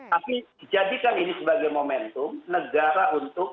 tapi jadikan ini sebagai momentum negara untuk